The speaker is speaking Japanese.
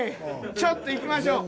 ちょっと行きましょう。